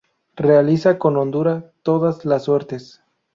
Realiza con hondura todas las suertes.